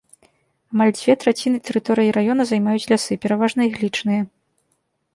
Амаль дзве траціны тэрыторыі раёна займаюць лясы, пераважна іглічныя.